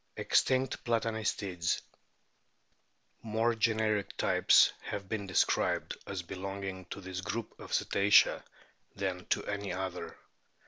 EXTINCT PLATANISTIDS More generic types have been described as be longing to this group of the Cetacea than to any other.